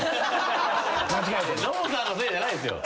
ノブさんのせいじゃないっすよ。